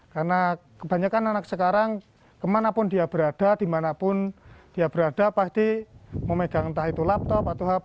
karena kebanyakan anak sekarang kemana pun dia berada dimanapun dia berada pasti memegang entah itu laptop atau laptop